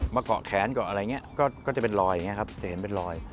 มะเกาะแขนก็จะเห็นเป็นรอย